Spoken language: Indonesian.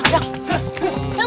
tidak tahu bang